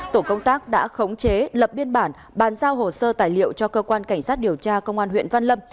tổ công tác đã khống chế lập biên bản bàn giao hồ sơ tài liệu cho cơ quan cảnh sát điều tra công an huyện văn lâm